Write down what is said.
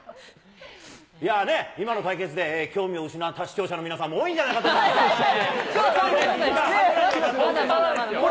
いやね、今の対決で興味を失った視聴者の皆さんも多いんじゃないかと思いまだまだまだ。